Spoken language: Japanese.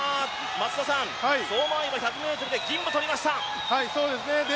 相馬あいは１００ｍで銀もとりました。